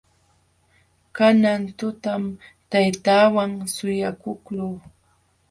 Kanan tutam taytaawan suyakuqluu.